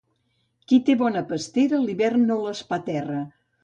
Qui té bona pastera, l'hivern no l'espaterra.